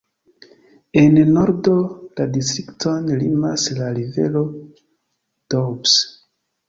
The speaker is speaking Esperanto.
En nordo la distrikton limas la rivero Doubs.